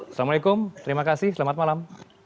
assalamu alaikum terima kasih selamat malam